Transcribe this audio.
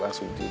terus mau tidur